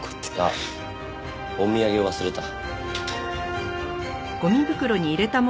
あっお土産忘れた。